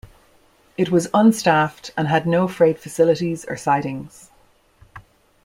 It was unstaffed and had no freight facilities or sidings.